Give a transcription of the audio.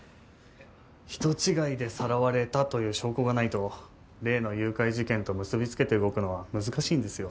人違いでさらわれたという証拠が無いと例の誘拐事件と結びつけて動くのは難しいんですよ。